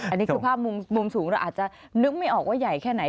อันนี้คือภาพมุมสูงเราอาจจะนึกไม่ออกว่าใหญ่แค่ไหน